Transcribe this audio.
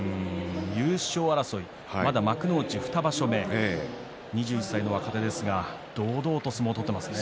優勝争いまだ幕内２場所目２１歳の若手ですが堂々と相撲を取っていますね。